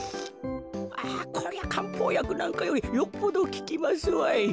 ああこりゃかんぽうやくなんかよりよっぽどききますわい。